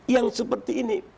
yang seperti ini